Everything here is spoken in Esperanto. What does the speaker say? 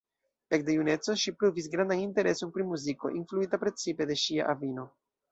Ekde juneco ŝi pruvis grandan intereson pri muziko, influita precipe de ŝia avino.